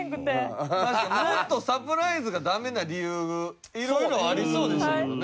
確かにもっとサプライズがダメな理由色々ありそうでしたけどね。